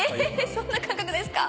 そんな感覚ですか？